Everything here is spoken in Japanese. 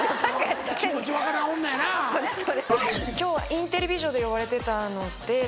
今日はインテリ美女で呼ばれてたので。